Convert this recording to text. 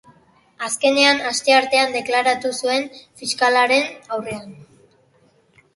Azkenean, asteartean deklaratu zuen fiskalaren aurrean.